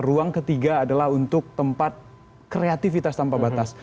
ruang ketiga adalah untuk tempat kreativitas tanpa batas